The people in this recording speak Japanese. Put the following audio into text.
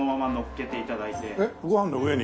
えっご飯の上に？